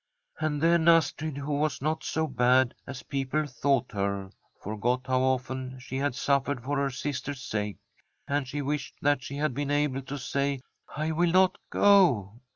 And then As trid, who was not so bad as people thought her, forgot how often she had suffered for her sister's sake, and she wished that she had been able to say, " I will not go